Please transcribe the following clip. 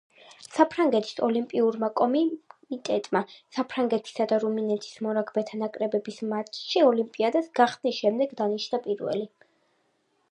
საფრანგეთის ოლიმპიურმა კომიტეტმა საფრანგეთისა და რუმინეთის მორაგბეთა ნაკრებების მატჩი ოლიმპიადის გახსნის შემდეგ დანიშნა პირველი.